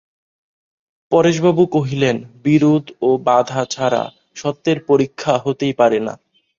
পরেশবাবু কহিলেন, বিরোধ ও বাধা ছাড়া সত্যের পরীক্ষা হতেই পারে না।